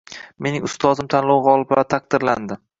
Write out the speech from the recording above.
«Mening ustozim» tanlovi g‘oliblari taqdirlandi